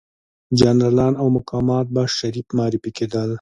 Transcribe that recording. جنرالان او مقامات به شریف معرفي کېدل.